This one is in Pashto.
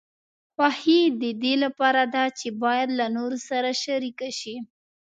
خوښي د دې لپاره ده چې باید له نورو سره شریکه شي.